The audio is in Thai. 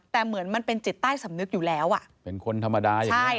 แต่เหมือนมันเป็นจิตใต้สำนึกอยู่แล้วอ่ะเป็นคนธรรมดาอย่างนี้